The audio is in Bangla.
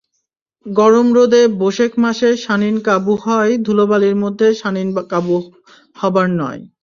গরম রোদে বোশেখ মাসে শানীন কাবু হয়ধুলোবালির মধ্যে শানীন কাবু হবার নয়।